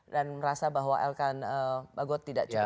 dan merasa bahwa elkan bagot tidak cukup